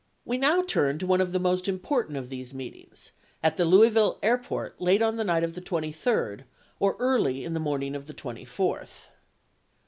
We now turn to one of the most important of these meetings — at the Louisville airport late on the night of the 23d or early in the morning of the 24th.